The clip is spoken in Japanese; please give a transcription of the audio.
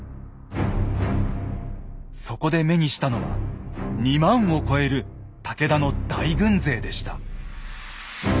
そこで目にしたのは２０，０００を超える武田の大軍勢でした。